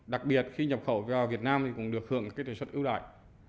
đặc biệt khi nhập khẩu vào việt nam cũng được hưởng xuất ưu đại